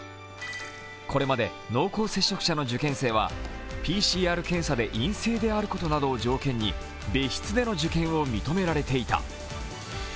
これまで濃厚接触者の受験生はＰＣＲ検査で陰性であることなどを条件に別室での受験を認められていた。